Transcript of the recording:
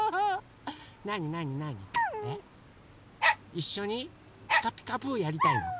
いっしょに「ピカピカブ！」やりたいの？